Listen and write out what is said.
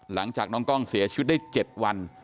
หลังจากน้องกล้องเสียชีวิตได้๗วัน